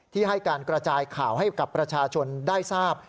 ที่ให้การกระจายข่าวให้กับประชาชนได้ทราบ